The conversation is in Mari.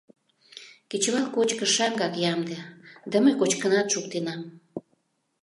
Кечывал кочкыш шаҥгак ямде, да мый кочкынат шуктенам.